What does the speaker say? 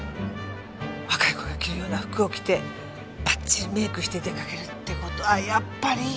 若い子が着るような服を着てばっちりメークして出かけるって事はやっぱり。